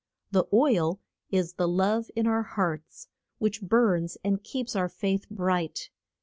The oil is the love in our hearts, which burns and keeps our faith bright.